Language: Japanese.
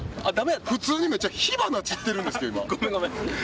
普通にめっちゃ火花、散ってるんですけど今。